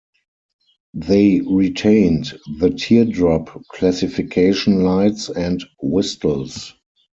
They retained the teardrop classification lights and whistles.